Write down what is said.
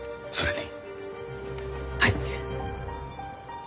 はい。